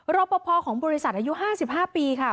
รอปภของบริษัทอายุ๕๕ปีค่ะ